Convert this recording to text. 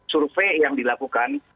survei yang dilakukan